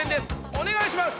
お願いします！